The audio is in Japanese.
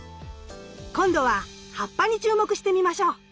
今度は葉っぱに注目してみましょう。